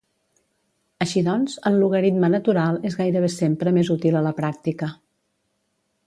Així doncs, el logaritme natural és gairebé sempre més útil a la pràctica.